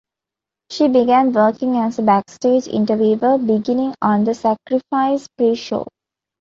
She began working as a backstage interviewer beginning on the Sacrifice pre-show.